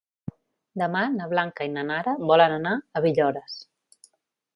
Demà na Blanca i na Nara volen anar a Villores.